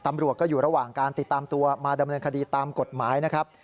ตำรวจก็อยู่ระหว่างการติดตามตัวมาดำเนินคดีตามกฎหมายนะครับ